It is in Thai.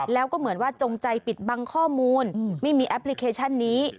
แล้วก็เหมือนว่าจงใจปิดบังข้อมูลไม่มีแอปพลิเคชันนี้